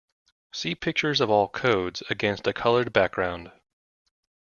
See pictures of all codes against a colored background.